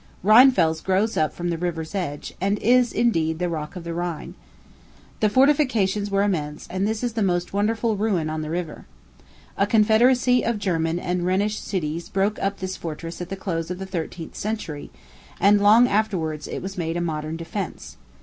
Rheinfels grows up from the river's edge, and is, indeed, the rock of the Rhine. The fortifications were immense, and this is the most wonderful ruin on the river. A confederacy of German and Rhenish cities broke up this fortress at the close of the thirteenth century, and long afterwards it was made a modern defence.